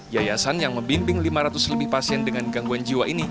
yayasan yang membimbing lima ratus lebih pasien dengan gangguan jiwa ini